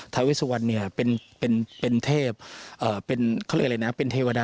ทาเวชสุวรรณเป็นเทพ